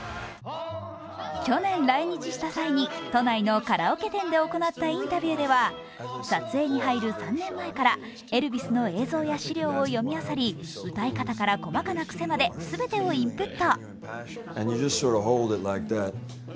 去年、来日した際に都内のカラオケ店で行ったインタビューでは撮影に入る３年前からエルヴィスの映像や資料を読みあさり歌い方から細かな癖まで全てをインプット。